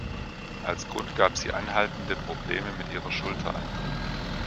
Als Grund gab sie anhaltende Probleme mit ihrer Schulter an.